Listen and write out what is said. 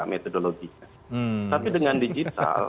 metodologi tapi dengan digital